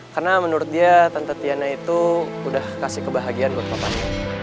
karena menurut dia tante tiana itu udah kasih kebahagiaan buat papanya